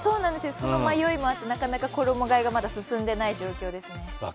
その迷いもあって、なかなか衣がえが進んでない状況ですね。